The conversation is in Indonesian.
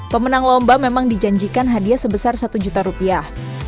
pemenang lomba memang dijanjikan hadiah sebesar satu juta rupiah